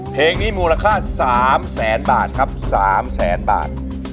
เพลงนี้มูลค่า๓แสนบาทครับ๓แสนบาท